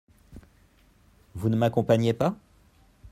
Vous ne n’accompagnez pas ?…